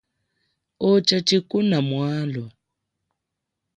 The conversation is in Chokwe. Ocha tshikuna mwalwa.